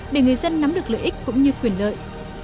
để người dân nắm được lợi ích cũng như quyền lợi